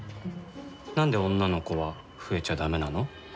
何で女の子は増えちゃ駄目なの？